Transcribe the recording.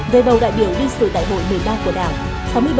về bầu đại biểu đi sự đại hội một mươi ba của đảng